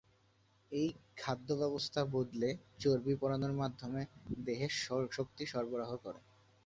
এই খাদ্য ব্যবস্থা বদলে চর্বি পোড়ানোর মাধ্যমে দেহে শক্তি সরবরাহ করে।